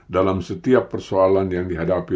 dalam setiap persoalan yang dihadapi